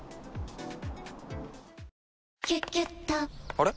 あれ？